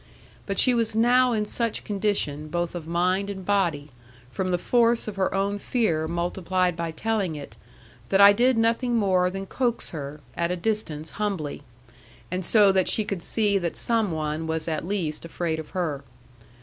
But she was now in such condition, both of mind and body, from the force of her own fear multiplied by telling it, that I did nothing more than coax her, at a distance humbly; and so that she could see that some one was at least afraid of her.